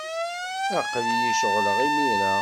Aql-iyi ceɣleɣ imir-a.